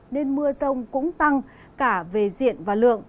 nên mưa rông cũng tăng cả về diện và lượng